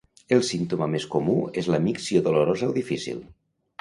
El símptoma més comú és la micció dolorosa o difícil.